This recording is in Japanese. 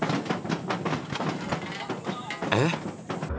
えっ？